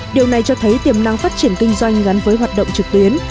điều này cho thấy tiềm năng phát triển kinh doanh gắn với hoạt động trực tuyến